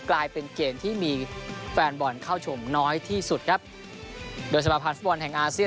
กลายเป็นเกมที่มีแฟนบอลเข้าชมน้อยที่สุดครับโดยสมาพันธ์ฟุตบอลแห่งอาเซียน